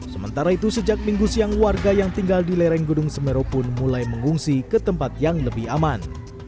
sementara itu sejak minggu siang warga yang tinggal di lereng gunung semeru pun mulai mengungsi ke tempat yang lebih aman